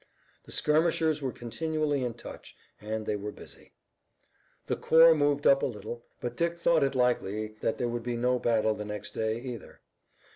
The skirmishers were continually in touch and they were busy. The corps moved up a little, but Dick thought it likely that there would be no battle the next day either.